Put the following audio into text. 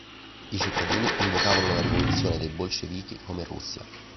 I cittadini invocavano una rivoluzione dei bolscevichi come in Russia.